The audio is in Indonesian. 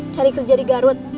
cari kerja di garut